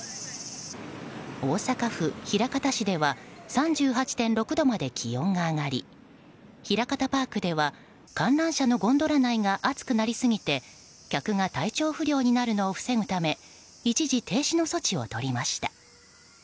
大阪府枚方市では３８．６度まで気温が上がりひらかたパークでは観覧車のゴンドラ内が暑くなりすぎて客が体調不良になるのを防ぐため一時停止の措置をとりました。